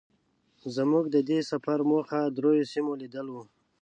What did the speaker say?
زمونږ د دې سفر موخه درېيو سیمو لیدل وو.